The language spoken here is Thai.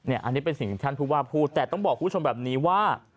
อันนี้เป็นสิ่งที่ท่านผู้ว่าพูดแต่ต้องบอกคุณผู้ชมแบบนี้ว่า